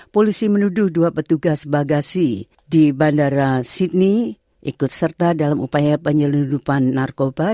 polisi menuduh dua petugas bagasi di bandara sydney ikut serta dalam upaya penyeludupan narkoba